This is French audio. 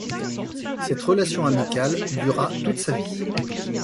Cette relation amicale dura toute sa vie.